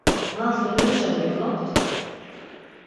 Man somerişa miqonopt?